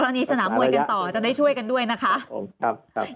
ทางกรณีสนามวยกันต่อแล้วจะช่วยด้วยอย่างนี้